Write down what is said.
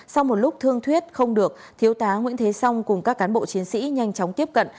sau một lúc thương thuyết không được thiếu tá nguyễn thế song cùng các cán bộ chiến sĩ nhanh chóng tiếp cận